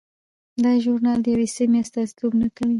دا ژورنال د یوې سیمې استازیتوب نه کوي.